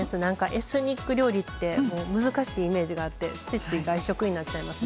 エスニック料理って難しいイメージがあってついつい外食になっちゃいます。